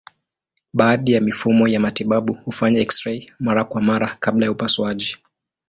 Baadhi ya mifumo ya matibabu hufanya eksirei mara kwa mara kabla ya upasuaji.